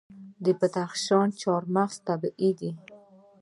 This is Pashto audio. د بدخشان چهارمغز طبیعي دي.